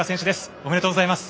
おめでとうございます。